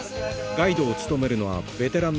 ガイドを務めるのはベテラン